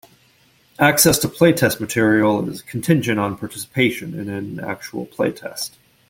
Access to playtest material is contingent on participation in an actual playtest.